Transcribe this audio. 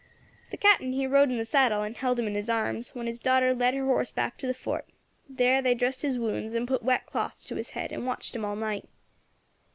The Captain he rode in the saddle, and held him in his arms, while his daughter led her horse back to the fort. There they dressed his wounds, and put wet cloths to his head, and watched him all night.